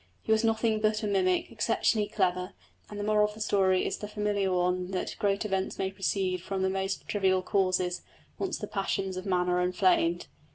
He was nothing but a mimic, exceptionally clever, and the moral of the story is the familiar one that great events may proceed from the most trivial causes, once the passions of men are inflamed.